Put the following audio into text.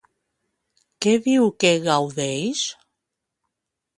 Què diu que gaudeix?